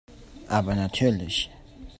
Aber natürlich.